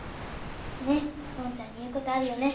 ねっゴンちゃんに言うことあるよね。